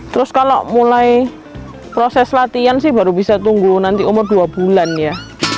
terus kalau mulai proses latihan sih baru bisa tunggu nanti umur dua bulan ya